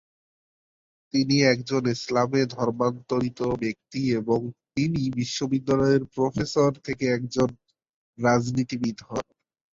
তিনি একজন ইসলামে ধর্মান্তরিত ব্যক্তি এবং তিনি বিশ্ববিদ্যালয়ের প্রফেসর থেকে একজন রাজনীতিবিদ হন।